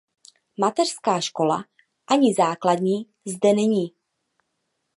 Mateřská škola ani základní zde není.